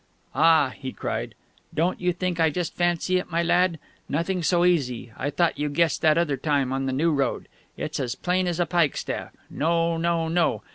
"Ah," he cried, "don't you think I just fancy it, my lad! Nothing so easy! I thought you guessed that other time, on the new road ... it's as plain as a pikestaff... no, no, no!